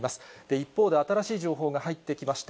一方で新しい情報が入ってきました。